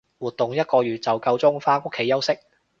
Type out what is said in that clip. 活動一個月就夠鐘返屋企休息